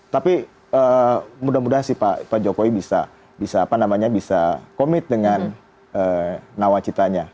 tapi mudah mudahan sih pak jokowi bisa komit dengan nawacitanya